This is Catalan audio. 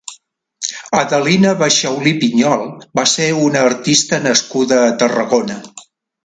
Adelina Baixaulí Piñol va ser una artista nascuda a Tarragona.